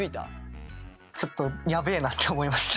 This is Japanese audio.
ちょっとやべえなって思いました。